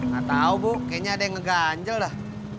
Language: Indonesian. gak tau bu kayaknya ada yang ngeganjel dah